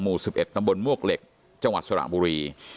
หมู่สิบเอ็ดตำบลมวกเหล็กจังหวัดสละบุรี